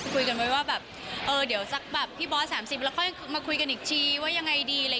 คุยกันไว้ว่าแบบเออเดี๋ยวสักแบบพี่บอส๓๐แล้วค่อยมาคุยกันอีกทีว่ายังไงดีอะไรอย่างนี้